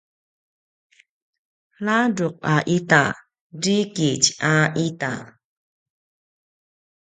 ladruq a ita drikitj a ita